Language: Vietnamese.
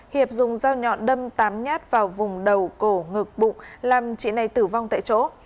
hiệp dùng dao nhọn đâm tám nhát vào vùng đầu cổ ngực bụng làm chị này tử vong tại chỗ